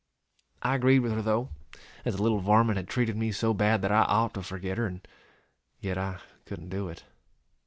I agreed with her, though, that the little varment had treated me so bad, that I ought to forget her, and yet I couldn't do it.